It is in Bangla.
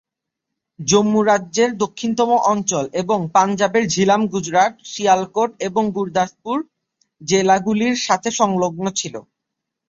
জম্মু রাজ্যের দক্ষিণতম অঞ্চল এবং পাঞ্জাবের ঝিলাম গুজরাট, শিয়ালকোট এবং গুরুদাসপুর জেলাগুলির সাথে সংলগ্ন ছিল।